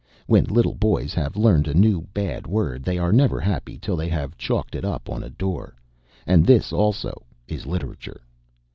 When little boys have learned a new bad word they are never happy till they have chalked it up on a door. And this also is Literature.